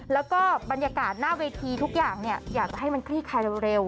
แล้วก็บรรยากาศหน้าเวทีทุกอย่างอยากจะให้มันคลี่คลายเร็ว